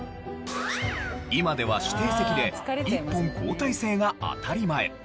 今では指定席で１本交代制が当たり前。